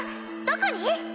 どこに？